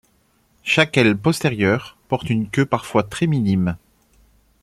Chaque aile postérieure porte une queue parfois très minime.